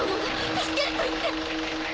助けると言って！